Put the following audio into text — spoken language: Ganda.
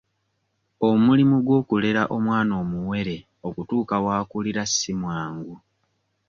Omulimu gw'okulera omwana omuwere okutuuka w'akulira si mwangu.